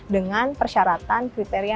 dengan persyaratan kriteria